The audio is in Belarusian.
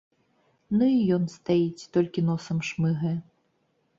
Ну і ён стаіць, толькі носам шмыгае.